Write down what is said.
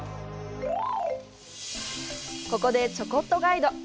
ここで「ちょこっとガイド」！